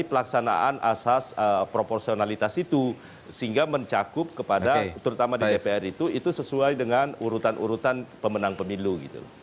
jadi pelaksanaan asas proporsionalitas itu sehingga mencakup kepada terutama di dpr itu sesuai dengan urutan urutan pemenang pemilu gitu loh